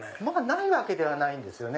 ないわけではないんですよね。